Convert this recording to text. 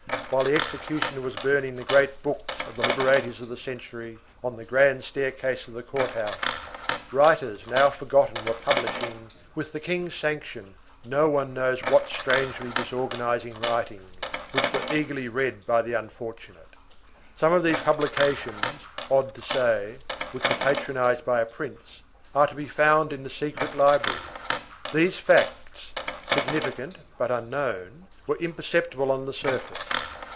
While the executioner was burning the great books of the liberators of the century on the grand staircase of the court house, writers now forgotten were publishing, with the King's sanction, no one knows what strangely disorganizing writings, which were eagerly read by the unfortunate. Some of these publications, odd to say, which were patronized by a prince, are to be found in the Secret Library. These facts, significant but unknown, were imperceptible on the surface.